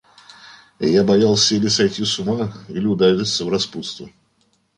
Я боялся или сойти с ума, или удариться в распутство.